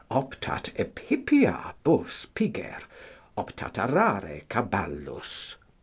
"Optat ephippia bos piger, optat arare caballus."